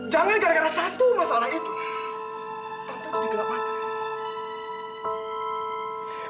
jangan gara gara satu masalah itu tante digelap hati